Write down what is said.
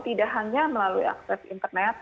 tidak hanya melalui akses internet